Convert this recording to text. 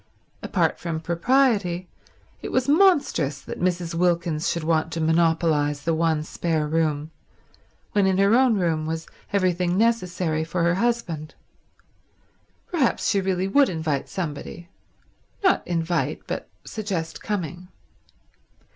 Apart from propriety, it was monstrous that Mrs. Wilkins should want to monopolise the one spare room, when in her own room was everything necessary for her husband. Perhaps she really would invite somebody— not invite, but suggest coming.